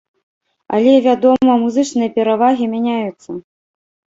Але, вядома, музычныя перавагі мяняюцца.